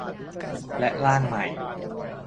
และร่างใหม่